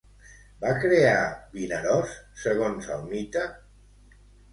Va crear Vinaròs, segons el mite?